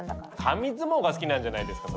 紙相撲が好きなんじゃないですか！